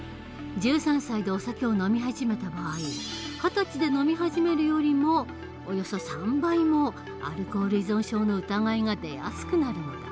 １３歳でお酒を飲み始めた場合二十歳で飲み始めるよりもおよそ３倍もアルコール依存症の疑いが出やすくなるのだ。